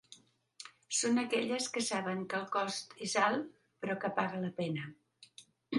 Són aquelles que saben que el cost és alt, però que paga la pena.